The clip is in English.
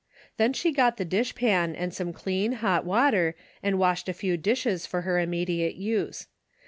Then she got the dish pan and some clean hot water and washed a few dishes for her im mediate use.